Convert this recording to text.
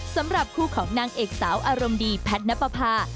สำหรับคู่ของนางเอกสาวอารมณ์ดีแพทย์นับประพา